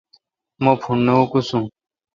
مہ پھوݨ نہ اوکوسو۔